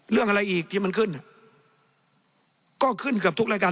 เรื่องอะไรอีกที่มันขึ้นก็ขึ้นเกือบทุกรายการ